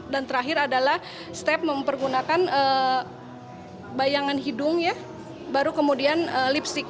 dan terakhir adalah step mempergunakan bayangan hidung baru kemudian lipstick